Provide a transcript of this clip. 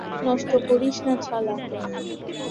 নষ্ট করিস না শালা।